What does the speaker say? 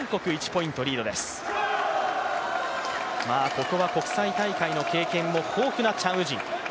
ここは国際大会の経験も豊富なチャン・ウジン。